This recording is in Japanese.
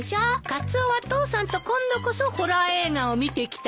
カツオは父さんと今度こそホラー映画を見てきたら？